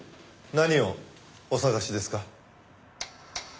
何をお捜しですか？